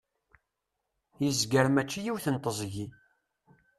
yezger mačči yiwet teẓgi